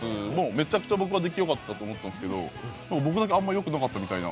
めちゃくちゃ僕は出来よかったと思うんですけど、僕だけ、あんまよくなかったみたいな。